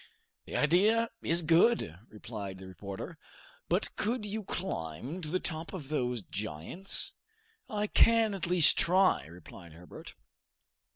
"The idea is good," replied the reporter; "but could you climb to the top of those giants?" "I can at least try," replied Herbert.